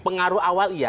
pengaruh awal iya